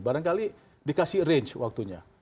barangkali dikasih range waktunya